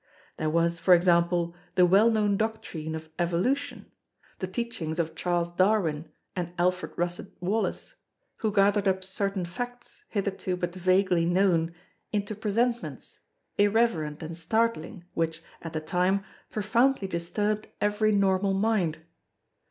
There was, for example, the well known doctrine of Evolution, the teachings of Charles Darwin and Alfred Russet Wallace, who gathered up certain facts, hitherto but vaguely known, into presentments, irreverent and startling, which, at the time, profoundly disturbed every normal mind.